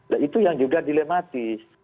nah itu yang juga dilematis